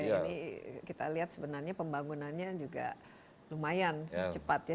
ini kita lihat sebenarnya pembangunannya juga lumayan cepat ya